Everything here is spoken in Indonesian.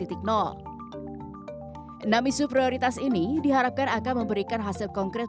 enam isu prioritas ini diharapkan akan memberikan hasil konkret